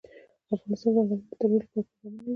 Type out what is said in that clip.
افغانستان د ځنګلونه د ترویج لپاره پروګرامونه لري.